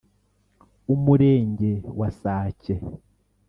Umurenge wa Sake